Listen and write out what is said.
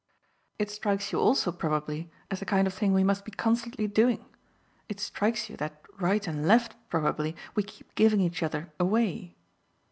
It strikes you also probably as the kind of thing we must be constantly doing; it strikes you that right and left, probably, we keep giving each other away.